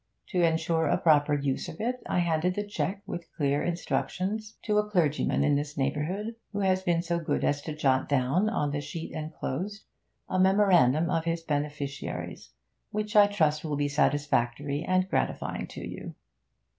To ensure a proper use of it, I handed the cheque, with clear instructions, to a clergyman in this neighbourhood, who has been so good as to jot down, on the sheet enclosed, a memorandum of his beneficiaries, which I trust will be satisfactory and gratifying to you.